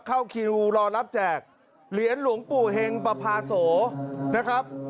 เข้าคิวรอรับแจกเหรียญหลวงปู่เฮงประพาโสนะครับ